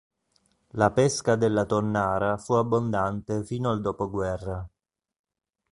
La pesca della tonnara fu abbondante fino al dopoguerra.